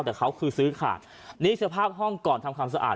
แต่เขาคือซื้อขาดนี่สภาพห้องก่อนทำความสะอาด